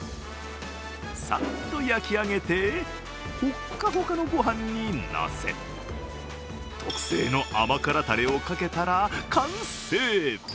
さっと焼き上げてほっかほかのご飯にのせ特製の甘辛タレをかけたら、完成。